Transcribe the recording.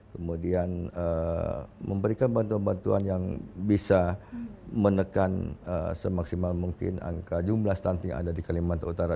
kemudian memberikan bantuan bantuan yang bisa menekan semaksimal mungkin angka jumlah stunting yang ada di kalimantan utara